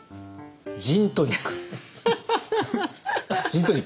ジントニックね。